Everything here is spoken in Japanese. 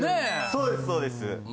そうですそうです